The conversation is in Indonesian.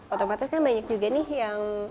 otomatis kan banyak juga nih yang